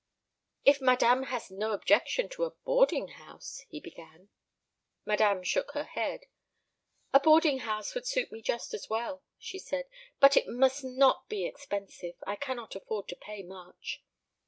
"If madame has no objection to a boarding house " he began. Madame shook her head. "A boarding house would suit me just as well," she said; "but it must not be expensive. I cannot afford to pay much."